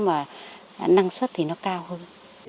mà năng suất thì nó cao hơn